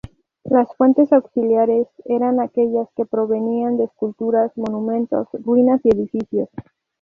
Las fuentes auxiliares eran aquellas que provenían de esculturas, monumentos, ruinas y edificios.